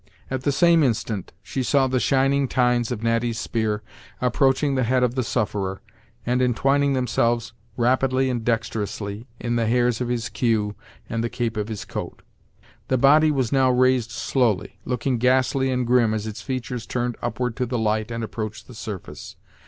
At the same instant, she saw the shining tines of Natty's spear approaching the head of the sufferer, and entwinning themselves, rapidly and dexterously, in the hairs of his cue and the cape of his coat. The body was now raised slowly, looking ghastly and grim as its features turned upward to the light and approached the surface.